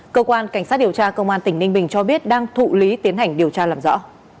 cơ quan cảnh sát điều tra công an tỉnh ninh bình cho biết đang thụ lý tiến hành điều tra làm rõ